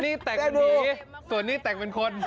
นี่แต่งเป็นผีส่วนนี้แต่งเป็นคน